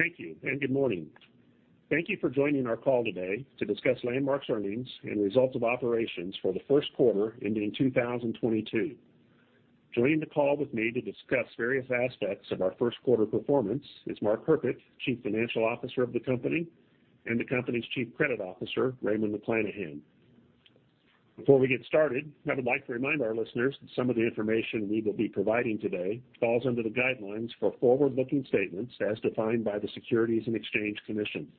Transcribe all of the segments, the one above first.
Thank you and good morning. Thank you for joining our call today to discuss Landmark's earnings and results of operations for the first quarter ending 2022. Joining the call with me to discuss various aspects of our first quarter performance is Mark Herpich, Chief Financial Officer of the company, and the company's Chief Credit Officer, Raymond McClanahan. Before we get started, I would like to remind our listeners that some of the information we will be providing today falls under the guidelines for forward-looking statements as defined by the Securities and Exchange Commission.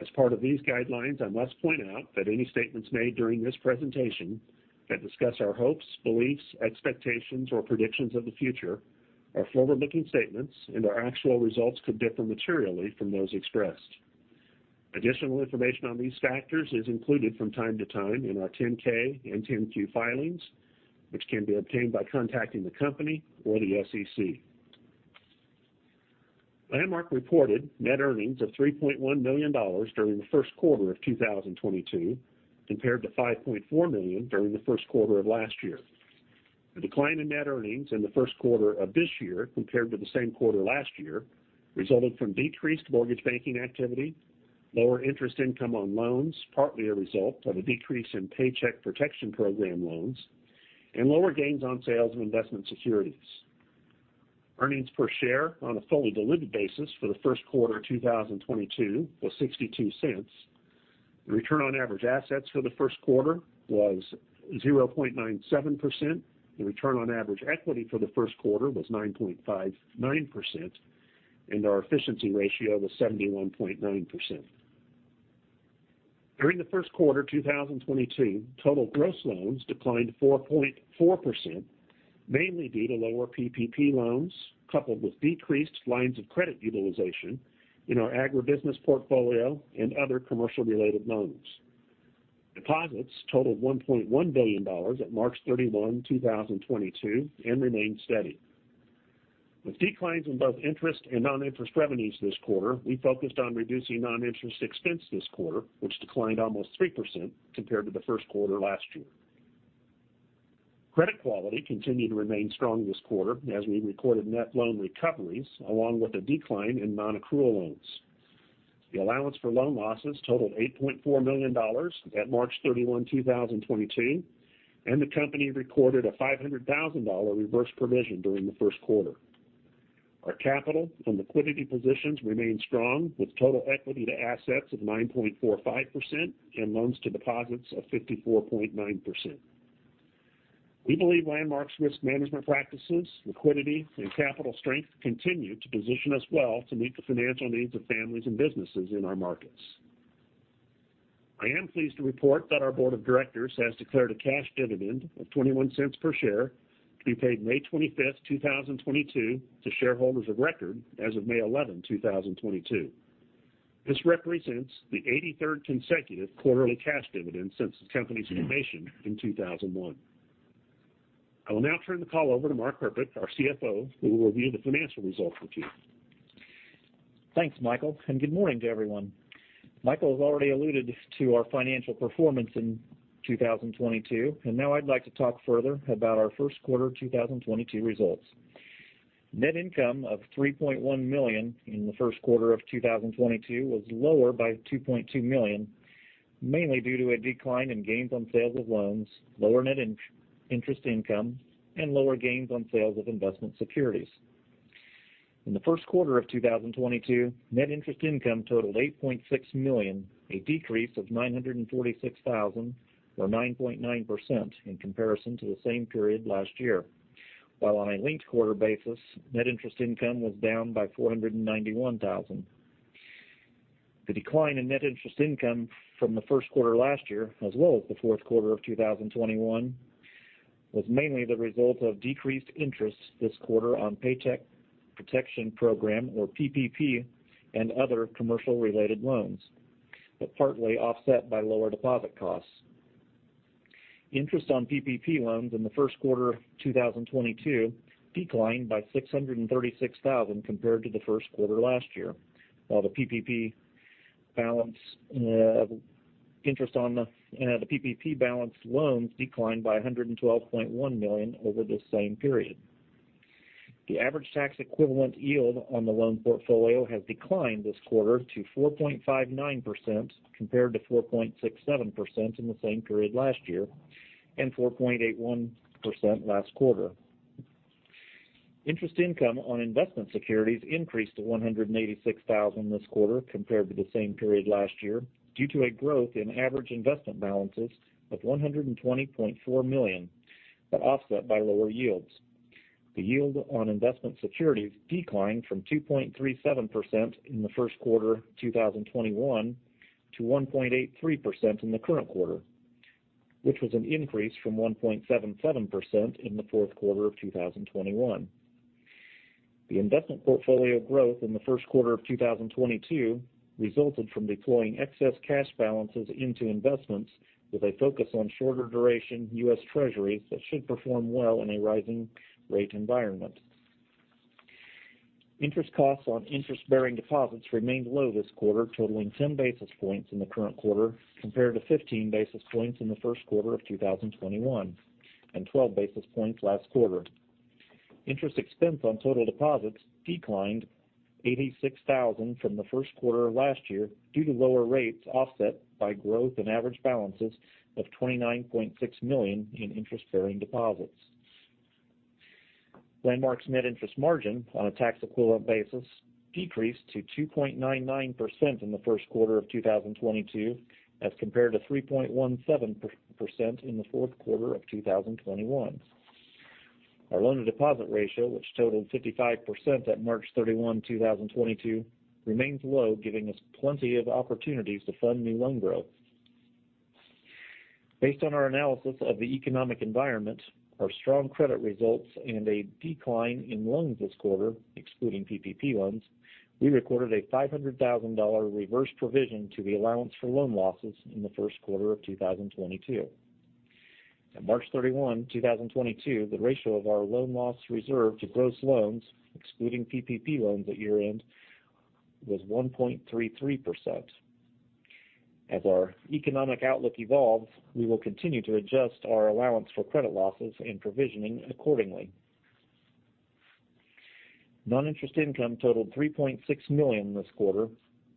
As part of these guidelines, I must point out that any statements made during this presentation that discuss our hopes, beliefs, expectations, or predictions of the future are forward-looking statements and our actual results could differ materially from those expressed. Additional information on these factors is included from time to time in our 10-K and 10-Q filings, which can be obtained by contacting the company or the SEC. Landmark reported net earnings of $3.1 million during the first quarter of 2022, compared to $5.4 million during the first quarter of last year. The decline in net earnings in the first quarter of this year compared to the same quarter last year resulted from decreased mortgage banking activity, lower interest income on loans, partly a result of a decrease in Paycheck Protection Program loans, and lower gains on sales of investment securities. Earnings per share on a fully diluted basis for the first quarter 2022 was $0.62. The return on average assets for the first quarter was 0.97%. The return on average equity for the first quarter was 9.59%, and our efficiency ratio was 71.9%. During the first quarter 2022, total gross loans declined 4.4%, mainly due to lower PPP loans, coupled with decreased lines of credit utilization in our agribusiness portfolio and other commercial related loans. Deposits totaled $1.1 billion at March 31st, 2022 and remained steady. With declines in both interest and non-interest revenues this quarter, we focused on reducing non-interest expense this quarter, which declined almost 3% compared to the first quarter last year. Credit quality continued to remain strong this quarter as we recorded net loan recoveries along with a decline in non-accrual loans. The allowance for loan losses totaled $8.4 million at March 31st, 2022, and the company recorded a $500,000 reverse provision during the first quarter. Our capital and liquidity positions remain strong, with total equity to assets of 9.45% and loans to deposits of 54.9%. We believe Landmark's risk management practices, liquidity, and capital strength continue to position us well to meet the financial needs of families and businesses in our markets. I am pleased to report that our board of directors has declared a cash dividend of $0.21 per share to be paid May 25th, 2022 to shareholders of record as of May 11th, 2022. This represents the 83rd consecutive quarterly cash dividend since the company's formation in 2001. I will now turn the call over to Mark Herpich, our Chief Financial Officer, who will review the financial results with you. Thanks, Michael, and good morning to everyone. Michael has already alluded to our financial performance in 2022, and now I'd like to talk further about our first quarter 2022 results. Net income of $3.1 million in the first quarter of 2022 was lower by $2.2 million, mainly due to a decline in gains on sales of loans, lower net interest income, and lower gains on sales of investment securities. In the first quarter of 2022, net interest income totaled $8.6 million, a decrease of $946,000 or 9.9% in comparison to the same period last year. While on a linked quarter basis, net interest income was down by $491,000. The decline in net interest income from the first quarter last year as well as the fourth quarter of 2021 was mainly the result of decreased interest this quarter on Paycheck Protection Program or PPP and other commercial related loans, but partly offset by lower deposit costs. Interest on PPP loans in the first quarter of 2022 declined by $636,000 compared to the first quarter last year, while the PPP balance declined by $112.1 million over the same period. The average tax equivalent yield on the loan portfolio has declined this quarter to 4.59% compared to 4.67% in the same period last year and 4.81% last quarter. Interest income on investment securities increased to $186,000 this quarter compared to the same period last year due to a growth in average investment balances of $120.4 million, but offset by lower yields. The yield on investment securities declined from 2.37% in the first quarter 2021 to 1.83% in the current quarter, which was an increase from 1.77% in the fourth quarter of 2021. The investment portfolio growth in the first quarter of 2022 resulted from deploying excess cash balances into investments with a focus on shorter duration U.S. Treasuries that should perform well in a rising rate environment. Interest costs on interest-bearing deposits remained low this quarter, totaling 10 basis points in the current quarter compared to 15 basis points in the first quarter of 2021 and 12 basis points last quarter. Interest expense on total deposits declined $86,000 from the first quarter of last year due to lower rates offset by growth in average balances of $29.6 million in interest-bearing deposits. Landmark's net interest margin on a tax equivalent basis decreased to 2.99% in the first quarter of 2022 as compared to 3.17% in the fourth quarter of 2021. Our loan-to-deposit ratio, which totaled 55% at March 31st, 2022, remains low, giving us plenty of opportunities to fund new loan growth. Based on our analysis of the economic environment, our strong credit results, and a decline in loans this quarter, excluding PPP loans, we recorded a $500,000 reverse provision to the allowance for loan losses in the first quarter of 2022. At March 31st, 2022, the ratio of our loan loss reserve to gross loans, excluding PPP loans at year-end, was 1.33%. As our economic outlook evolves, we will continue to adjust our allowance for credit losses and provisioning accordingly. Non-interest income totaled $3.6 million this quarter,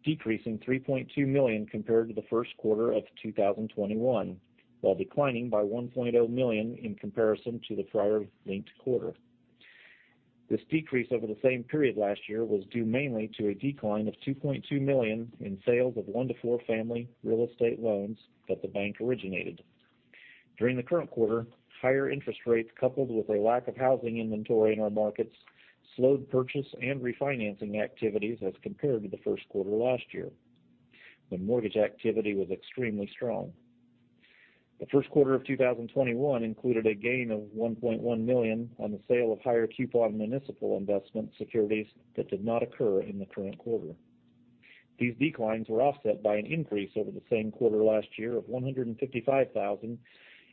decreasing $3.2 million compared to the first quarter of 2021, while declining by $1.0 million in comparison to the prior linked quarter. This decrease over the same period last year was due mainly to a decline of $2.2 million in sales of one-to-four family real estate loans that the bank originated. During the current quarter, higher interest rates, coupled with a lack of housing inventory in our markets, slowed purchase and refinancing activities as compared to the first quarter last year, when mortgage activity was extremely strong. The first quarter of 2021 included a gain of $1.1 million on the sale of higher coupon municipal investment securities that did not occur in the current quarter. These declines were offset by an increase over the same quarter last year of $155,000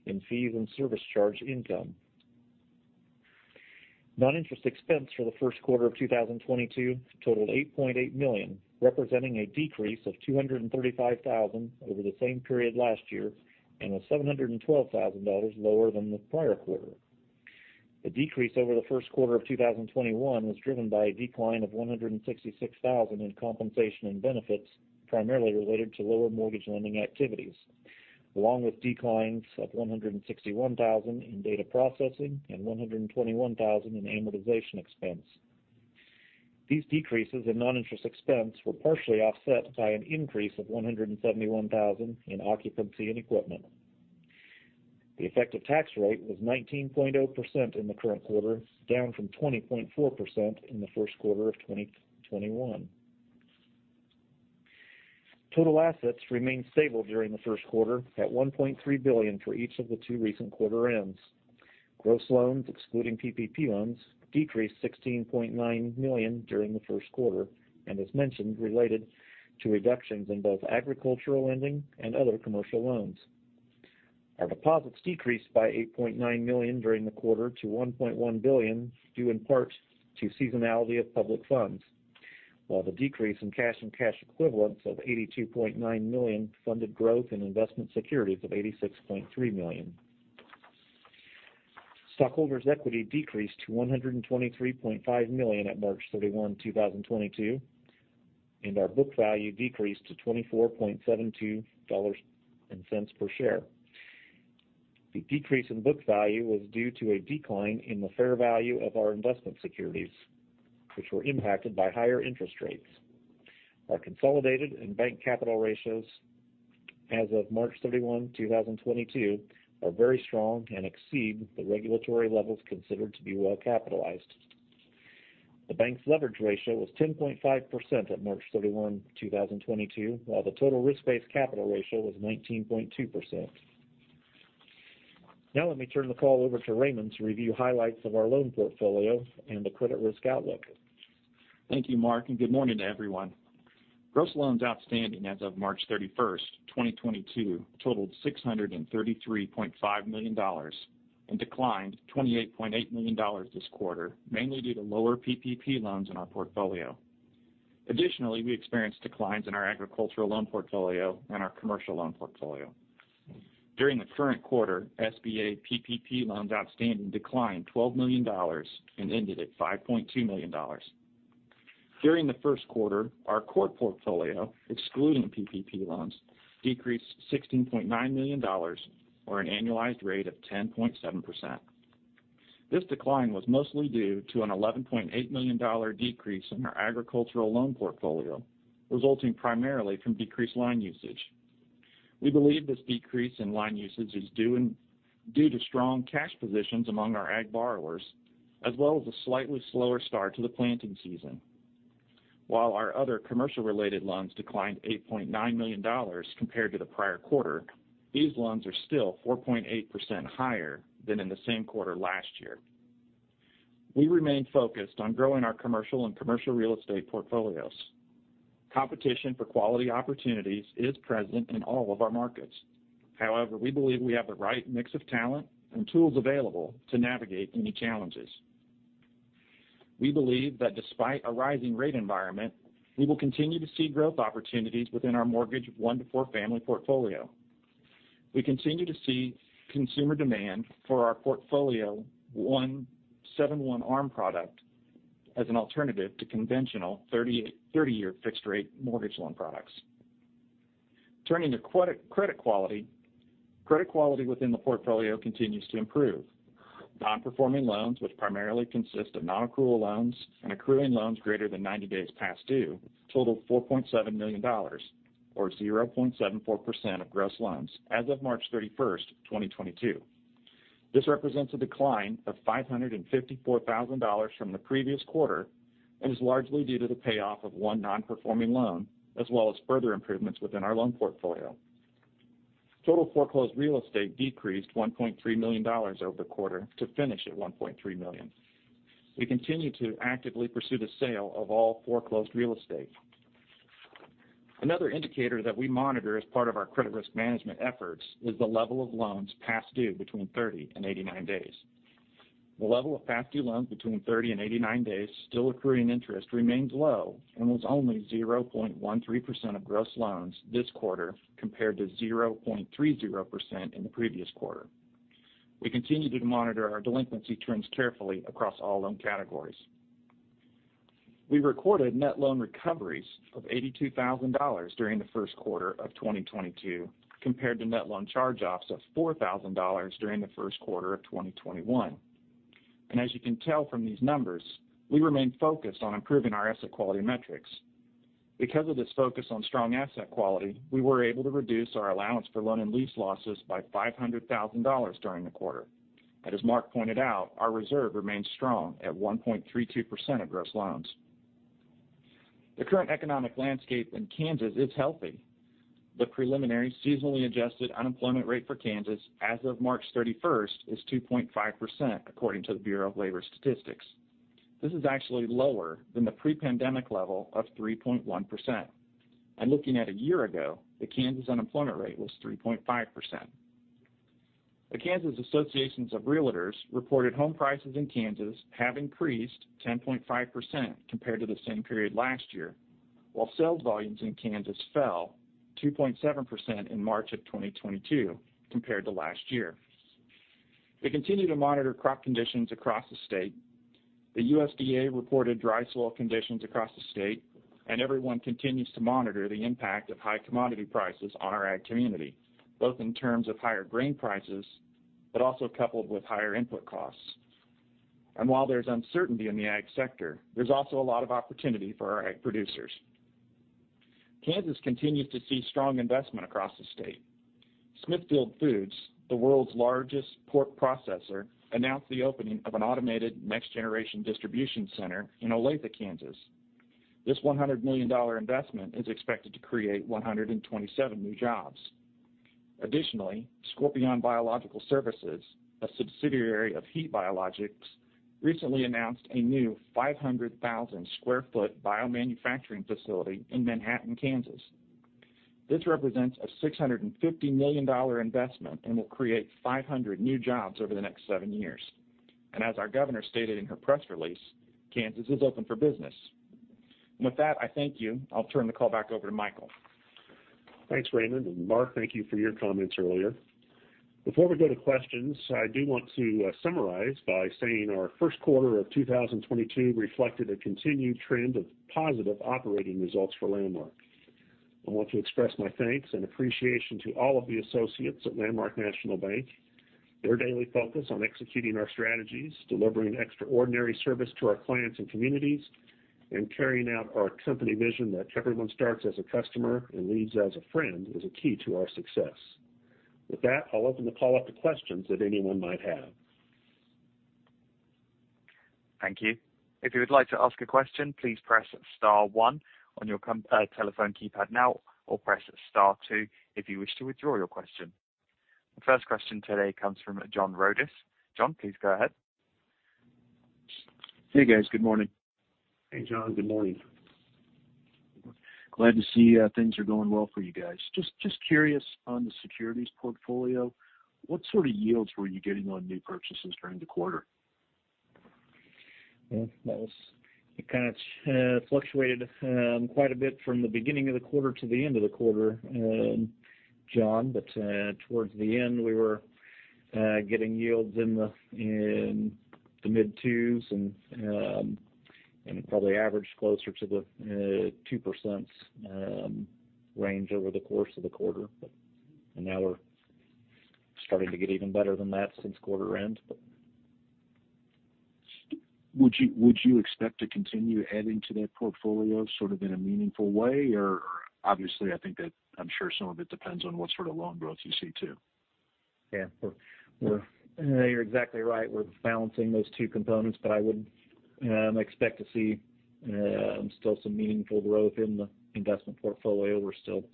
in fees and service charge income. Non-interest expense for the first quarter of 2022 totaled $8.8 million, representing a decrease of $235,000 over the same period last year, and was $712,000 lower than the prior quarter. The decrease over the first quarter of 2021 was driven by a decline of $166,000 in compensation and benefits, primarily related to lower mortgage lending activities, along with declines of $161,000 in data processing and $121,000 in amortization expense. These decreases in non-interest expense were partially offset by an increase of $171,000 in occupancy and equipment. The effective tax rate was 19.0% in the current quarter, down from 20.4% in the first quarter of 2021. Total assets remained stable during the first quarter at $1.3 billion for each of the two recent quarter ends. Gross loans, excluding PPP loans, decreased $16.9 million during the first quarter, and as mentioned, related to reductions in both agricultural lending and other commercial loans. Our deposits decreased by $8.9 million during the quarter to $1.1 billion due in part to seasonality of public funds, while the decrease in cash and cash equivalents of $82.9 million funded growth in investment securities of $86.3 million. Stockholders' equity decreased to $123.5 million at March 31st, 2022, and our book value decreased to $24.72 per share. The decrease in book value was due to a decline in the fair value of our investment securities, which were impacted by higher interest rates. Our consolidated and bank capital ratios as of March 31st, 2022, are very strong and exceed the regulatory levels considered to be well capitalized. The bank's leverage ratio was 10.5% at March 31st, 2022, while the total risk-based capital ratio was 19.2%. Now let me turn the call over to Raymond to review highlights of our loan portfolio and the credit risk outlook. Thank you, Mark, and good morning to everyone. Gross loans outstanding as of March 31st, 2022, totaled $633.5 million and declined $28.8 million this quarter, mainly due to lower PPP loans in our portfolio. Additionally, we experienced declines in our agricultural loan portfolio and our commercial loan portfolio. During the current quarter, SBA PPP loans outstanding declined $12 million and ended at $5.2 million. During the first quarter, our core portfolio, excluding PPP loans, decreased $16.9 million or an annualized rate of 10.7%. This decline was mostly due to an $11.8 million decrease in our agricultural loan portfolio, resulting primarily from decreased line usage. We believe this decrease in line usage is due to strong cash positions among our ag borrowers as well as a slightly slower start to the planting season. While our other commercial-related loans declined $8.9 million compared to the prior quarter, these loans are still 4.8% higher than in the same quarter last year. We remain focused on growing our commercial and commercial real estate portfolios. Competition for quality opportunities is present in all of our markets. However, we believe we have the right mix of talent and tools available to navigate any challenges. We believe that despite a rising rate environment, we will continue to see growth opportunities within our mortgage one-to-four family portfolio. We continue to see consumer demand for our portfolio 7/1 ARM product as an alternative to conventional 30-year fixed rate mortgage loan products. Turning to credit quality. Credit quality within the portfolio continues to improve. Non-performing loans, which primarily consist of non-accrual loans and accruing loans greater than 90 days past due, totaled $4.7 million or 0.74% of gross loans as of March 31st, 2022. This represents a decline of $554,000 from the previous quarter, and is largely due to the payoff of one non-performing loan, as well as further improvements within our loan portfolio. Total foreclosed real estate decreased $1.3 million over the quarter to finish at $1.3 million. We continue to actively pursue the sale of all foreclosed real estate. Another indicator that we monitor as part of our credit risk management efforts is the level of loans past due between 30 days and 89 days. The level of past due loans between 30 days and 89 days still accruing interest remains low and was only 0.13% of gross loans this quarter, compared to 0.30% in the previous quarter. We continue to monitor our delinquency trends carefully across all loan categories. We recorded net loan recoveries of $82,000 during the first quarter of 2022, compared to net loan charge-offs of $4,000 during the first quarter of 2021. As you can tell from these numbers, we remain focused on improving our asset quality metrics. Because of this focus on strong asset quality, we were able to reduce our allowance for loan and lease losses by $500,000 during the quarter. As Mark pointed out, our reserve remains strong at 1.32% of gross loans. The current economic landscape in Kansas is healthy. The preliminary seasonally adjusted unemployment rate for Kansas as of March 31st is 2.5%, according to the Bureau of Labor Statistics. This is actually lower than the pre-pandemic level of 3.1%. Looking at a year ago, the Kansas unemployment rate was 3.5%. The Kansas Association of REALTORS® reported home prices in Kansas have increased 10.5% compared to the same period last year, while sales volumes in Kansas fell 2.7% in March of 2022 compared to last year. We continue to monitor crop conditions across the state. The USDA reported dry soil conditions across the state, and everyone continues to monitor the impact of high commodity prices on our ag community, both in terms of higher grain prices, but also coupled with higher input costs. While there's uncertainty in the ag sector, there's also a lot of opportunity for our ag producers. Kansas continues to see strong investment across the state. Smithfield Foods, the world's largest pork processor, announced the opening of an automated next-generation distribution center in Olathe, Kansas. This $100 million investment is expected to create 127 new jobs. Additionally, Scorpion Biological Services, a subsidiary of Heat Biologics, recently announced a new 500,000 sq ft biomanufacturing facility in Manhattan, Kansas. This represents a $650 million investment and will create 500 new jobs over the next seven years. As our governor stated in her press release, Kansas is open for business. With that, I thank you. I'll turn the call back over to Michael. Thanks, Raymond. Mark, thank you for your comments earlier. Before we go to questions, I do want to summarize by saying our first quarter of 2022 reflected a continued trend of positive operating results for Landmark. I want to express my thanks and appreciation to all of the associates at Landmark National Bank. Their daily focus on executing our strategies, delivering extraordinary service to our clients and communities, and carrying out our company vision that everyone starts as a customer and leaves as a friend, is a key to our success. With that, I'll open the call up to questions that anyone might have. Thank you. If you would like to ask a question, please press star one on your telephone keypad now, or press star two if you wish to withdraw your question. The first question today comes from John Rodis. John, please go ahead. Hey, guys. Good morning. Hey, John. Good morning. Good morning. Glad to see, things are going well for you guys. Just curious on the securities portfolio, what sort of yields were you getting on new purchases during the quarter? Yeah, it kind of fluctuated quite a bit from the beginning of the quarter to the end of the quarter, John. Towards the end, we were getting yields in the mid-2s and it probably averaged closer to the 2% range over the course of the quarter. Now we're starting to get even better than that since quarter end, but. Would you expect to continue adding to that portfolio sort of in a meaningful way? Obviously, I think that I'm sure some of it depends on what sort of loan growth you see too. Yeah. You're exactly right. We're balancing those two components, but I would expect to see still some meaningful growth in the investment portfolio. We're still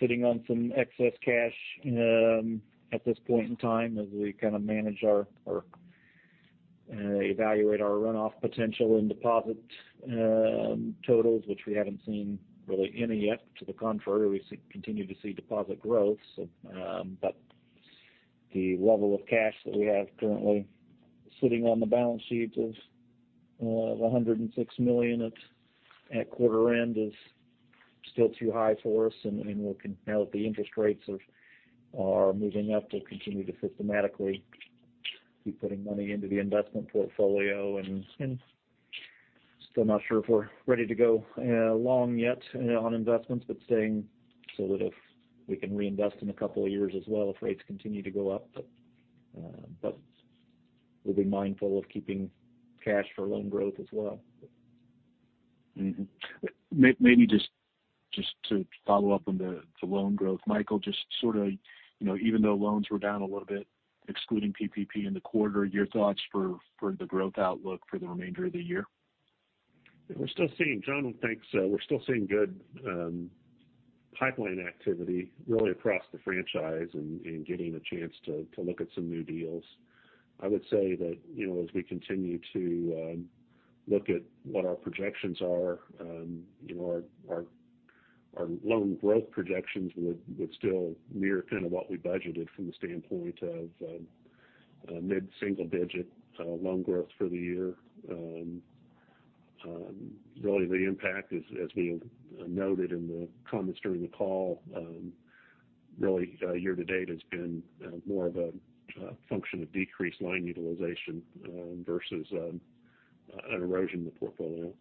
sitting on some excess cash at this point in time as we kind of evaluate our runoff potential and deposit totals, which we haven't seen really any yet. To the contrary, we continue to see deposit growth. The level of cash that we have currently sitting on the balance sheet is $106 million at quarter end is still too high for us, and now that the interest rates are moving up, we'll continue to systematically be putting money into the investment portfolio. Still not sure if we're ready to go long yet, you know, on investments, but staying so that if we can reinvest in a couple of years as well, if rates continue to go up. We'll be mindful of keeping cash for loan growth as well. Maybe just to follow up on the loan growth. Michael, just sort of, you know, even though loans were down a little bit, excluding PPP in the quarter, your thoughts for the growth outlook for the remainder of the year? John would think so. We're still seeing good pipeline activity really across the franchise and getting a chance to look at some new deals. I would say that, you know, as we continue to look at what our projections are, you know, our loan growth projections would still mirror kind of what we budgeted from the standpoint of mid-single digit loan growth for the year. Really the impact as we noted in the comments during the call, really year to date has been more of a function of decreased loan utilization versus an erosion in the portfolio.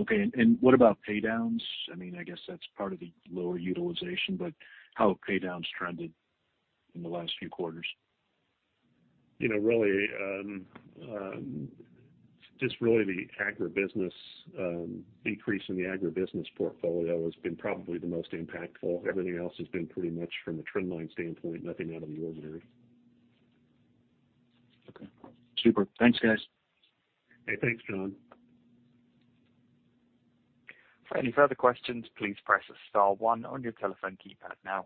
Okay. What about pay downs? I mean, I guess that's part of the lower utilization, but how have pay downs trended in the last few quarters? You know, really, just really the agribusiness increase in the agribusiness portfolio has been probably the most impactful. Everything else has been pretty much from a trend line standpoint, nothing out of the ordinary. Okay. Super. Thanks, guys. Hey, thanks, John. For any further questions, please press star one on your telephone keypad now.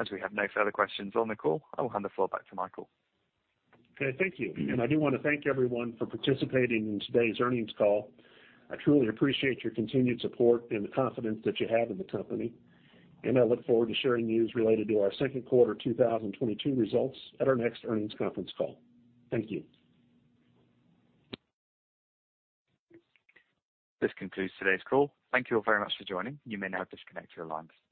As we have no further questions on the call, I will hand the floor back to Michael. Okay. Thank you. I do wanna thank everyone for participating in today's earnings call. I truly appreciate your continued support and the confidence that you have in the company, and I look forward to sharing news related to our second quarter 2022 results at our next earnings conference call. Thank you. This concludes today's call. Thank you all very much for joining. You may now disconnect your lines.